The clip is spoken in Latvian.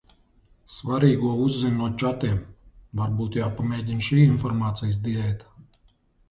Svarīgo uzzin no čatiem. Varbūt jāpamēģina šī informācijas diēta.